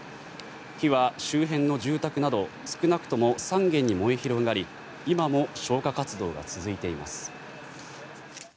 火は周辺の住宅など少なくとも３軒に燃え広がり今も消火活動が続いています。